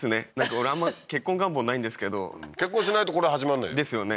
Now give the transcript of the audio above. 俺あんま結婚願望ないんですけど結婚しないとこれ始まんないよですよね